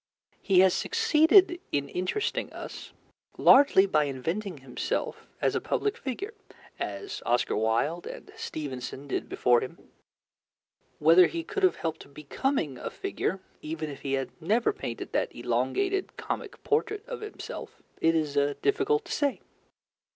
He has succeeded in interesting us largely by inventing himself as a public figure, as Oscar Wilde and Stevenson did before him. Whether he could have helped becoming a figure, even if he had never painted that elongated comic portrait of himself, it is difficult to say.